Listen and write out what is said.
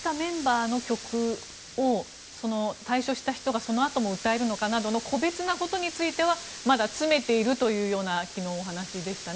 退所したメンバーの曲を退所した人がそのあとも歌えるのかなど個別なことについてはまだ詰めているというような昨日、お話でしたね。